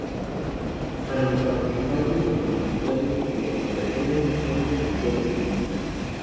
Para los participantes, los conductores y los peatones son potenciales ciclistas.